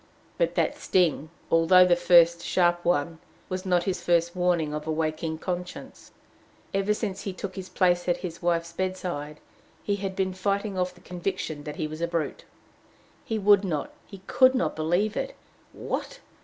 But that sting, although the first sharp one, was not his first warning of a waking conscience. Ever since he took his place at his wife's bedside, he had been fighting off the conviction that he was a brute. He would not, he could not believe it. What!